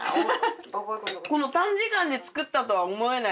この短時間で作ったとは思えない。